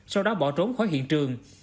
sau đó bỏ trốn khỏi hiện trường